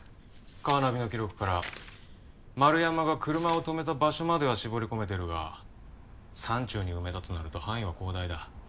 カーナビの記録から円山が車を停めた場所までは絞りこめてるが山中に埋めたとなると範囲は広大だ。